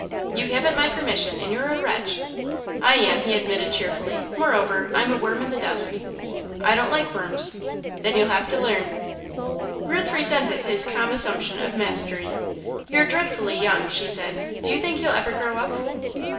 "You haven't my permission, and you're a wretch." "I am," he admitted, cheerfully, "moreover, I'm a worm in the dust." "I don't like worms." "Then you'll have to learn." Ruth resented his calm assumption of mastery. "You're dreadfully young," she said; "do you think you'll ever grow up?"